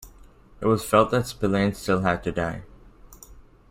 It was felt that Spillane still had to die.